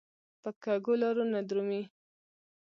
په کږو لارو نه درومي.